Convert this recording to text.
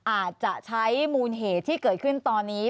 อาจจะใช้มูลเหตุที่เกิดขึ้นตอนนี้